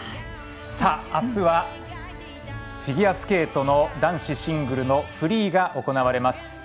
あすはフィギュアスケートの男子シングルのフリーが行われます。